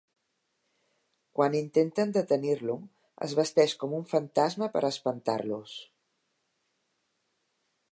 Quan intenten detenir-lo, es vesteix com un fantasma per espantar-los.